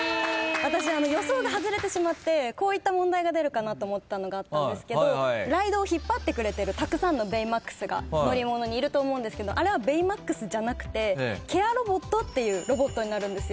私予想が外れてしまってこういった問題が出るかなと思ったのがあったんですけどライドを引っ張ってくれてるたくさんのベイマックスが乗り物にいると思うんですけどあれはベイマックスじゃなくてケア・ロボットっていうロボットになるんですよ。